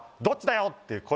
「どっちだよ！って